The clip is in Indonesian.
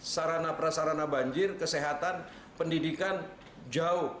sarana prasarana banjir kesehatan pendidikan jauh